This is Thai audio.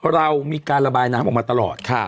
เรามีการระบายน้ำออกมาตลอด